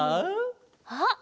あっ！